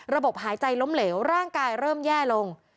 หายใจล้มเหลวร่างกายเริ่มแย่ลง